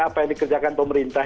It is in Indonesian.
apa yang dikerjakan pemerintah